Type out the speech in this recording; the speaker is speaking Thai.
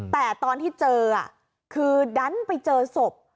แต่ตอนที่เจอคือดันไปเจอศพ